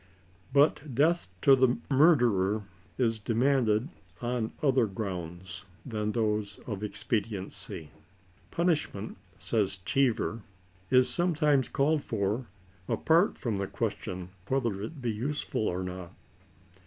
But death to the murderer is demanded on other grounds than those of expediency. "Punishment," says Cbeever, " is sometimes called for, apart from the question whether it be useful or not."